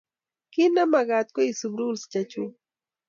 Kit nemakat koisub rules che chachuk